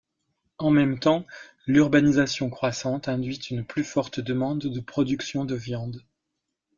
En même temps l’urbanisation croissante induit une plus forte demande de production de viande.